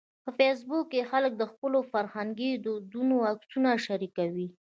په فېسبوک کې خلک د خپلو فرهنګي دودونو عکسونه شریکوي